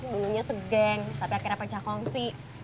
bulunya segeng tapi akhirnya pecah kongsi